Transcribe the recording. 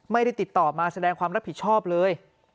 ไม่ได้ติดต่อมาแสดงความรับผิดชอบเลย